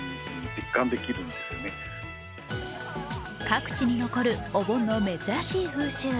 各地に残る、お盆の珍しい風習。